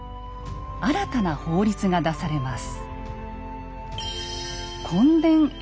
新たな法律が出されます。